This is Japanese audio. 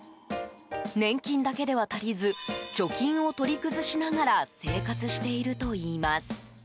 年金だけでは足りず貯金を取り崩しながら生活しているといいます。